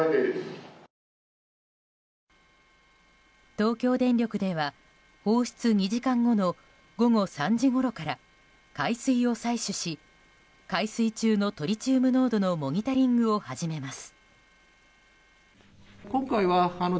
東京電力では放出２時間後の午後３時ごろから海水を採取し海水中のトリチウム濃度のモニタリングを始めます。